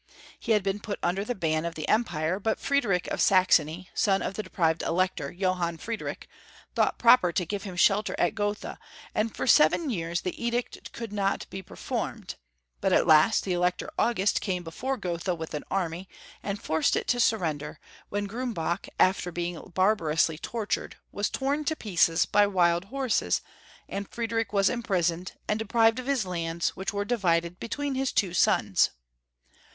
He had been put under the ban of the Empire, but Friedrich of Saxony, son of the deprived Elector, Johann Friedrich, thought proper to give him shelter at Gotha, and for seven years the edict could not be performed, but at last the Elector August came before Gotha with an army, and forced it to surrender, when Grumbach, after being barbarously tortured, was torn to pieces by wild horses, and Friedrich was imprisoned, and de prived of liis lands, which were divided between his two sons.